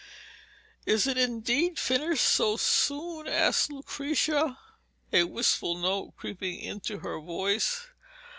'Is it indeed finished so soon?' asked Lucrezia, a wistful note creeping into her voice.